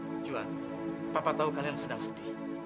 mer juhan papa tau kalian sedang sedih